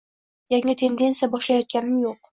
Yangi tendensiya boshlayotganim yoʻq.